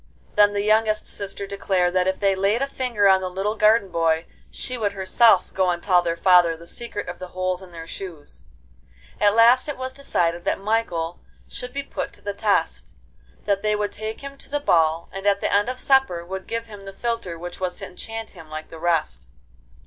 Then the youngest sister declared that if they laid a finger on the little garden boy, she would herself go and tell their father the secret of the holes in their shoes. At last it was decided that Michael should be put to the test; that they would take him to the ball, and at the end of supper would give him the philtre which was to enchant him like the rest.